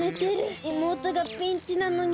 いもうとがピンチなのに。